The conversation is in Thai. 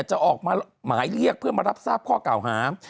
จะออกมาหมายเรียกเพื่อมารับทราบข้อเก่าหา